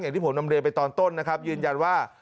อย่างที่ผมนำเรียนไปตอนต้นนะครับยืนยันว่า